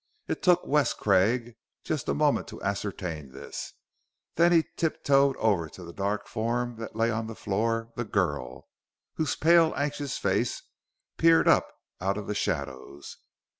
It took Wes Craig just a moment to ascertain this; then he tiptoed over to a dark form that lay on the floor the girl, whose pale, anxious face peered up out of the shadows.